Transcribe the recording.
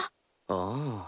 ああ。